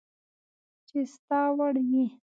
چي ستا وړ وي